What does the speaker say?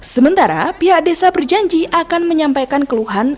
sementara pihak desa berjanji akan menyampaikan keluhan